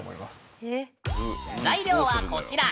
材料はこちら。